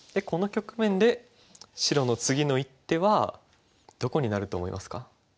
この局面で白の次の一手はどこになると思いますか？